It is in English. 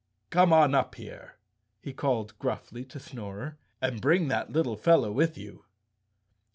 "Come on up here," he called gruffly to Snorer, " and bring that little fellow with you."